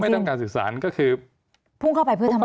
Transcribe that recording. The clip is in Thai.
ต้องการสื่อสารก็คือพุ่งเข้าไปเพื่อทำไม